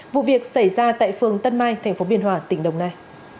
vụ việc xảy ra tại phường tân mai tp biên hòa tỉnh đồng nai